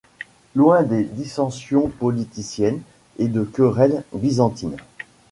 Loin des dissensions politiciennes et de querelles byzantines.